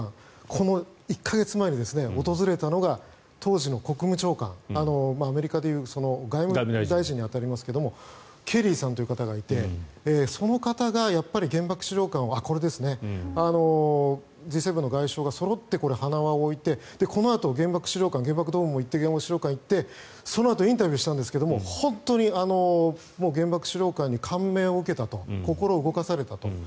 この１か月前に訪れたのが当時の国務長官アメリカでいう外務大臣に当たりますけどケリーさんという方がいてその方がやっぱり原爆資料館をＧ７の外相がそろって花輪を置いてこのあと、原爆資料館原爆ドームも行って原爆資料館に行ってそのあとインタビューしたんですが本当に原爆資料館に感銘を受けたと心を動かされたと。